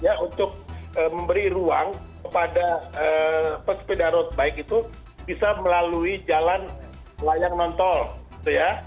ya untuk memberi ruang kepada pesepeda road bike itu bisa melalui jalan layang nontol gitu ya